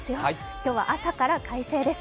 今日は朝から快晴です。